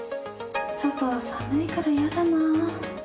外は寒いからやだなあ。